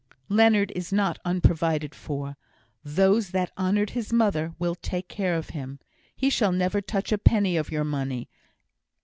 "Leonard is not unprovided for. Those that honoured his mother will take care of him. He shall never touch a penny of your money.